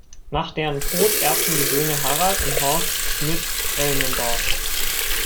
Nach deren Tod erbten die Söhne, Harald und Horst Schmidt-Elmendorff.